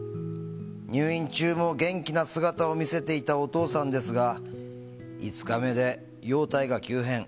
入院中も元気な姿を見せていたお父さんですが５日目で容体が急変。